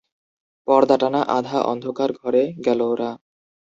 পর্দাটানা আধা অন্ধকার ঘরে গেল ওরা।